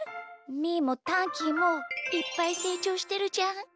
みーもタンキーもいっぱいせいちょうしてるじゃん。